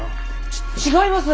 ち違います！